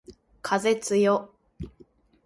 風つよ